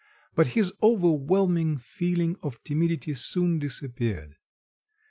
But his overwhelming feeling of timidity soon disappeared.